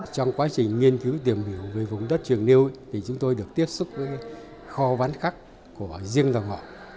trong quá trình nghiên cứu tìm hiểu về vùng đất trường niêu chúng tôi được tiếp xúc với kho bán khắc của riêng tòa ngọc